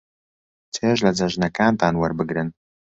چێژ لە جەژنەکانتان وەربگرن.